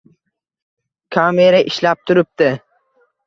Kamera ishlab turibdi